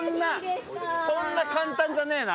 そんな簡単じゃねえな。